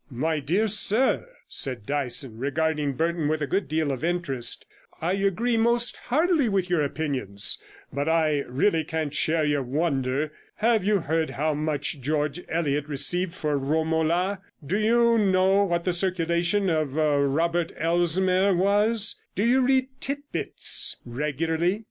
'My dear sir,' said Dyson, regarding Burton with a good deal of interest, 'I agree most heartily with your opinions, but I really can't share your wonder. Have you heard how much George Eliot received for Romola! Do you know what the circulation of Robert Elsmere was? Do you read Tit Bits, regularly?